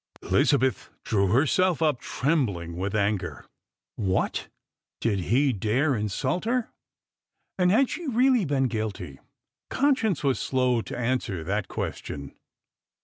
Elizabeth drew herself up, trembling with anger. What, did he dare insult her ? And had she really been guilty ? Con science was slow to answer that question.